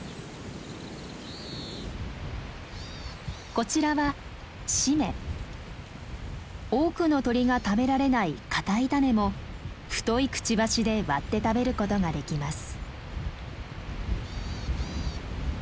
こちらは多くの鳥が食べられないかたい種も太いくちばしで割って食べることができます。